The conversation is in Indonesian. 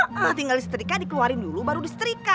iya tinggal listrika dikeluarin dulu baru listrika